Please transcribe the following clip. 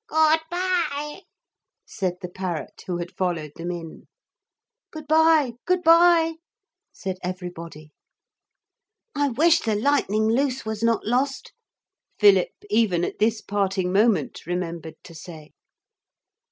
'Good bye!' said the parrot who had followed them in. 'Good bye, good bye!' said everybody. 'I wish the Lightning Loose was not lost,' Philip even at this parting moment remembered to say.